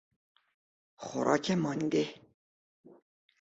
خوراک مانده